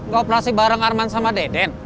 operasi bareng arman sama deden